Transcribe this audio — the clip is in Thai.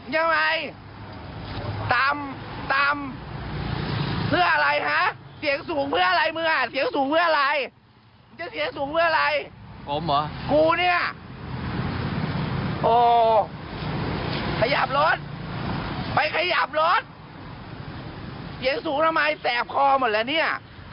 เย็นสุรมัยแสบคอหมดแล้วเนี่ย